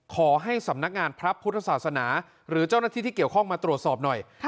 ขอให้สำนักงานพระพุทธศาสนาหรือเจ้าหน้าที่ที่เกี่ยวข้องมาตรวจสอบหน่อย